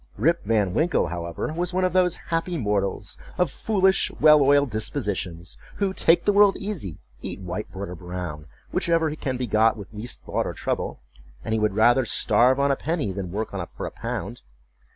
Rip Van Winkle, however, was one of those happy mortals, of foolish, well oiled dispositions, who take the world easy, eat white bread or brown, whichever can be got with least thought or trouble, and would rather starve on a penny than work for a pound.